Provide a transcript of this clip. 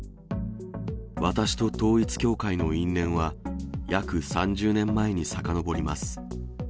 私と統一教会の因縁は、約３０年前にさかのぼります。